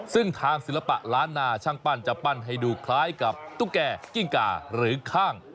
ซึ่งทางศิลปะล้านนาช่างปั้นจะปั้นให้ดูคล้ายกับตุ๊กแก่กิ้งกาหรือข้าง